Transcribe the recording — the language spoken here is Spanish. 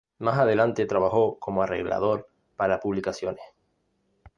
Más adelante trabajó como arreglador para publicaciones.